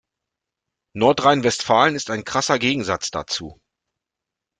Nordrhein-Westfalen ist ein krasser Gegensatz dazu.